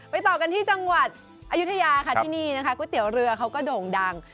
ต่อกันที่จังหวัดอายุทยาค่ะที่นี่นะคะก๋วยเตี๋ยวเรือเขาก็โด่งดัง